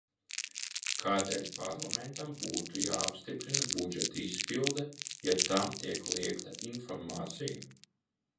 Kādēļ Parlamentam būtu jāapstiprina budžeta izpilde, ja tam tiek liegta informācija?